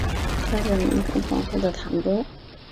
他是明成皇后的堂哥。